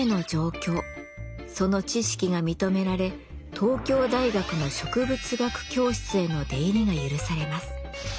その知識が認められ東京大学の植物学教室への出入りが許されます。